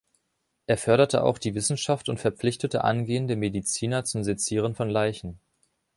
Er förderte auch die Wissenschaft und verpflichtete angehende Mediziner zum Sezieren von Leichen.